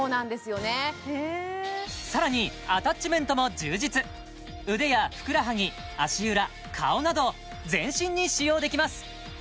さらにアタッチメントも充実腕やふくらはぎ足裏顔など全身に使用できます